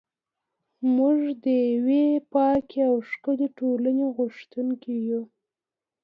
موږ د یوې پاکې او ښکلې ټولنې غوښتونکي یو.